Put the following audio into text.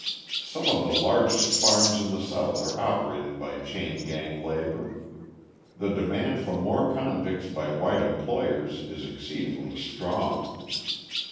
Some of the largest farms in the South are operated by chain gang labour. The demand for more convicts by white employers is exceedingly strong.